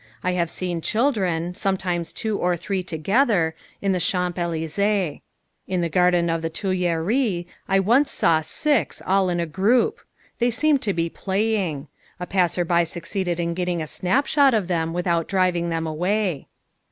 I have seen children, sometimes two or three together, in the Champs Elysées. In the garden of the Tuileries I once saw six all in a group. They seemed to be playing. A passer by succeeded in getting a snapshot of them without driving them away.